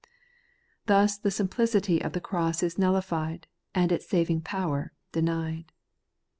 Thus the simplicity of the cross is nullified, and its saving power denied.